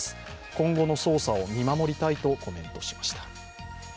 今後の捜査を見守りたいとコメントしました。